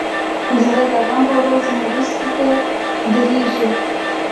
زړه د غم په ورځ مرستې ته دریږي.